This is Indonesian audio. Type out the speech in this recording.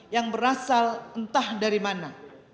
yang berasal entah dari mana